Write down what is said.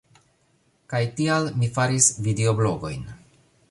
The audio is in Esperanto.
Kaj tial mi faris videoblogojn.